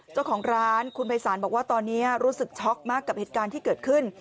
เจ้าของร้านคุณภัยศาลบอกว่าตอนนี้รู้สึกช็อกมากกับเหตุการณ์ที่เกิดขึ้น